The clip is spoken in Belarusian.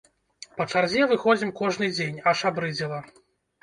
Па чарзе выходзім кожны дзень, аж абрыдзела.